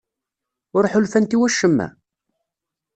Ur ḥulfant i wacemma?